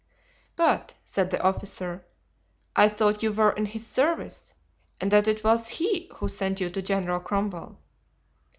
"But," said the officer, "I thought you were in his service and that it was he who sent you to General Cromwell."